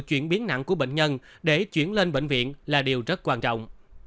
chuyển biến nặng của bệnh nhân để chuyển lên bệnh viện là điều rất quan trọng